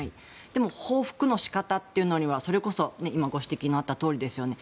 でも報復の仕方というのはそれこそ、今ご指摘があったとおりですよね。